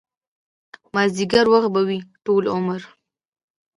مازديګر وخت به وي ټول عمر